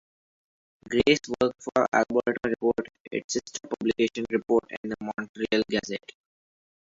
Grace worked for "Alberta Report", its sister publication "Report" and the "Montreal Gazette".